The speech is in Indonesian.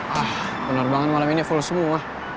ah penerbangan malam ini penuh semua